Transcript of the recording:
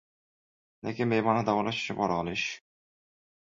Lekin bemorni davolash uchun pora olish...